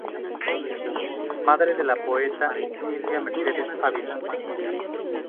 Madre de la poeta Silvia Mercedes Ávila.